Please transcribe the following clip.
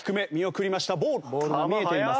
ボールが見えています。